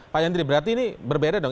pak yandri berarti ini berbeda dong